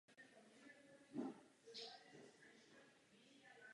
Ta skončila drtivou porážkou Rakouska i jeho spojenců.